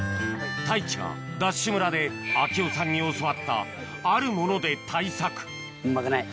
太一がＤＡＳＨ村で明雄さんに教わったあるもので対策うまくない。